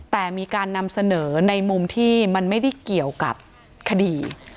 แต่มีการนำเสนอในมุมที่มันไม่ได้เกี่ยวกับคดี